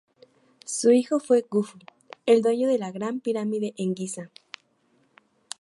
Su hijo fue Jufu, el dueño de la Gran Pirámide en Guiza.